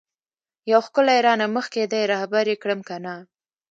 یو ښکلی رانه مخکی دی رهبر یی کړم کنه؟